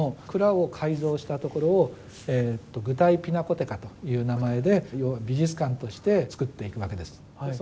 蔵を改造したところを「グタイピナコテカ」という名前で要は美術館としてつくっていくわけです。